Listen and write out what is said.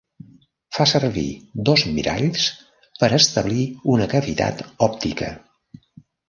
Fa servir dos miralls per establir una cavitat òptica.